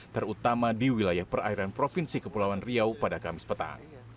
terutama di wilayah perairan provinsi kepulauan riau pada kamis petang